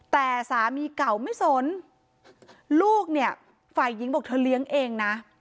แต่สามีเก่าไม่สนลูกเนี่ยฝ่ายหญิงบอกเธอเลี้ยงเองนะ